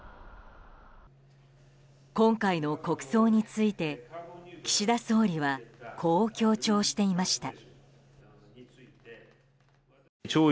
今回の国葬について岸田総理はこう強調していました。